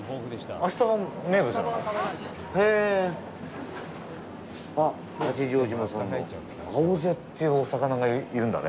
アオゼっていうお魚がいるんだね。